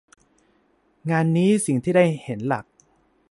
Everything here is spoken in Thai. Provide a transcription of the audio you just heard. งานนี้สิ่งที่ได้เห็นหลัก